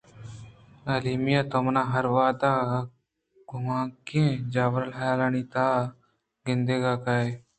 ایمیلیا! تو من ءَ ہر وہد گمیگیں جاور ءُحیالانی تہاگندگ ءَ کائے